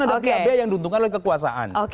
ada pihak pihak yang diuntungkan oleh kekuasaan